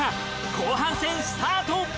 後半戦スタート！